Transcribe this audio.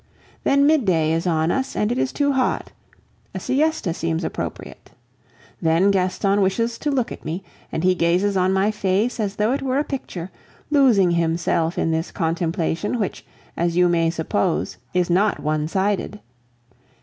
Then midday is on us, and it is too hot; a siesta seems appropriate. Then Gaston wishes to look at me, and he gazes on my face as though it were a picture, losing himself in this contemplation, which, as you may suppose, is not one sided.